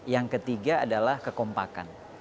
yang ketiga adalah kekompakan